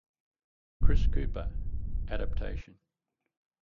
Chris Cooper - Adaptation.